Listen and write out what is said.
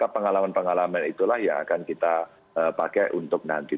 pengalaman pengalaman itulah yang akan kita pakai untuk nanti